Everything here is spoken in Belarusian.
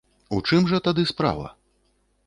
У чым жа тады справа?